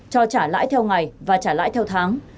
cho trả lãi theo ngày và trả lãi theo tháng